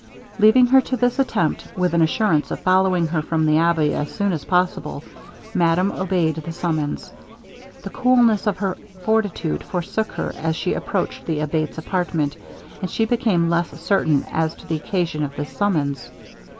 Leaving her to this attempt, with an assurance of following her from the abbey as soon as possible, madame obeyed the summons. The coolness of her fortitude forsook her as she approached the Abate's apartment, and she became less certain as to the occasion of this summons.